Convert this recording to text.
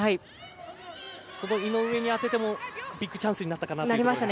その井上に当ててもビッグチャンスになったかなというところですか。